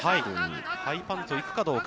ハイパントに行くかどうか。